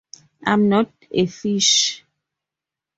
I'm not a fish.